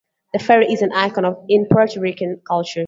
The ferry is an icon in Puerto Rican culture.